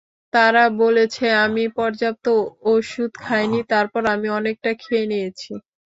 তারা বলেছে আমি পর্যাপ্ত ওষুধ খাইনি, তারপর আমি অনেকটা খেয়ে নিয়েছি।